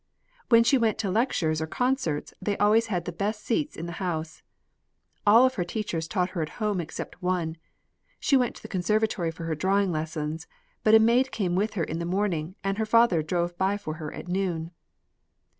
When she went to lectures or concerts, they always had the best seats in the house. All her teachers taught her at home except one. She went to the conservatory for her drawing lessons, but a maid came with her in the morning, and her father drove by for her at noon."